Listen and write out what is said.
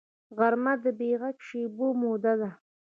غرمه د بېغږه شېبو موده ده